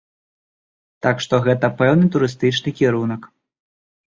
Так што гэта пэўны турыстычны кірунак.